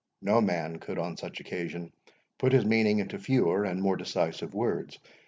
No man could on such occasion put his meaning into fewer and more decisive words.